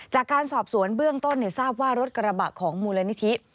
จากการสอบสวนเบื้องต้นทราบว่ารถกระบะของมูลนิธิ